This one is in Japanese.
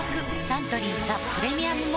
サントリー「ザ・プレミアム・モルツ」